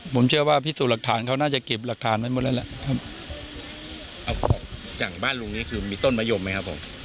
ผมเชื่อว่าพิสูจน์หลักฐานเขาน่าจะเก็บหลักฐานไว้หมดแล้วล่ะครับอย่างบ้านลุงนี้คือมีต้นมะยมไหมครับผม